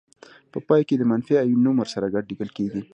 په پای کې د منفي آیون نوم ورسره ګډ لیکل کیږي.